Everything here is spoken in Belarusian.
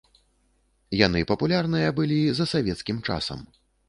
Яны папулярныя былі за савецкім часам.